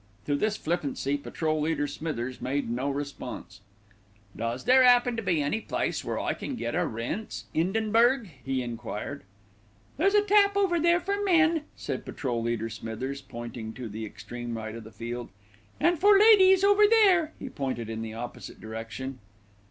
To this flippancy, Patrol leader Smithers made no response. "Does there 'appen to be any place where I can get a rinse, 'Indenberg?" he enquired. "There's a tap over there for men," said Patrol leader Smithers, pointing to the extreme right of the field, "and for ladies over there," he pointed in the opposite direction.